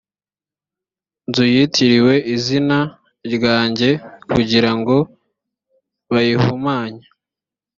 nzu yitiriwe izina ryanjye kugira ngo bayihumanye